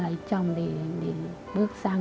lấy chồng để bước sang